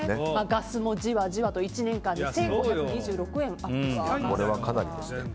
ガスもじわじわと１年間で１５２６円アップしています。